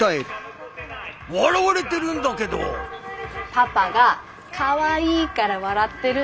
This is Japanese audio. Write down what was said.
パパがかわいいから笑ってるんだよ！